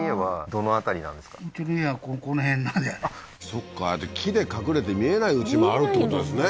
そっかああやって木で隠れて見えないうちもあるってことですね